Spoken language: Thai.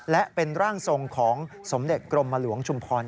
และเป็นร่างทรงของสมเด็จกรมหลวงชุมพร